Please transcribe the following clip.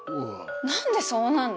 ⁉何でそうなんの？